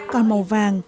còn màu vàng